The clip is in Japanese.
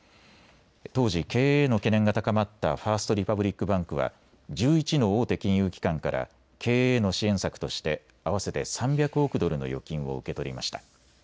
当時、経営への懸念が高まったファースト・リパブリック・バンクは１１の大手金融機関から経営への支援策として合わせて３００億ドルの預金を受け取りました。